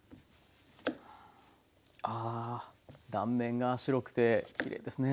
あ断面が白くてきれいですね。